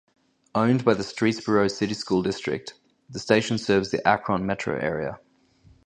Owned by the Streetsboro City School District, the station serves the Akron metro area.